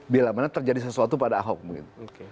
bila mana terjadi sesuatu pada ahok mungkin